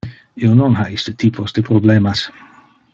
Io non ha iste typos de problemas.